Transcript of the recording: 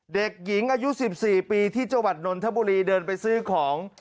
เด็กหญิงอายุ๑๔ปีที่จังหวัดนนทบุรีเดินไปซื้อของ